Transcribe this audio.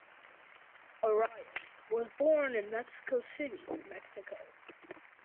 Arias was born in Mexico City, Mexico.